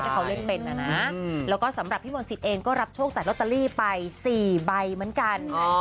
ถ้าเขาเล่นเป็นนะนะแล้วก็สำหรับพี่มนต์สิทธิ์เองก็รับโชคจากลอตเตอรี่ไป๔ใบเหมือนกัน